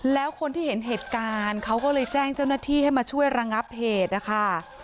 แล้วคนที่เห็นเหตุการณ์เขาก็เลยแจ้งเจ้าหน้าที่ให้มาช่วยระงับเหตุนะคะ